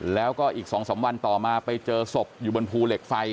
แล้วก็อีก๒๓วันต่อมาไปเจอศพอยู่บนภูเหล็กไฟ